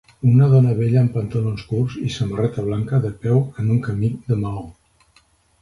Una dona vella amb pantalons curts i samarreta blanca de peu en un camí de maó.